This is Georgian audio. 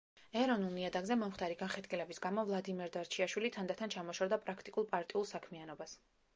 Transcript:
ეროვნულ ნიადაგზე მომხდარი განხეთქილების გამო ვლადიმერ დარჩიაშვილი თანდათან ჩამოშორდა პრაქტიკულ პარტიულ საქმიანობას.